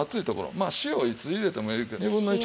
まあ塩いつ入れてもいいけど２分の１ほど。